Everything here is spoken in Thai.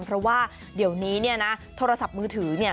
เพราะว่าเดี๋ยวนี้เนี่ยนะโทรศัพท์มือถือเนี่ย